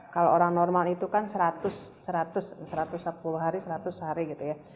kalau orang normal itu kan seratus seratus satu ratus sepuluh hari seratus hari gitu ya